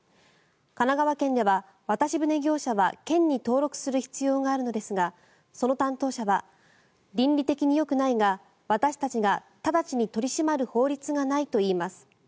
神奈川県では渡し船業者は県に登録する必要があるのですがその担当者は倫理的によくないが私たちが直ちに取り締まる法律がないといいます。